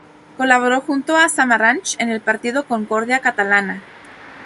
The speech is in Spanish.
Colaboró junto a Samaranch en el partido Concordia Catalana.